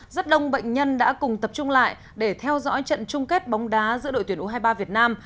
rất đông bệnh nhân đã cùng tập trung lại để theo dõi trận chung kết bóng đá giữa đội tuyển u hai mươi ba việt nam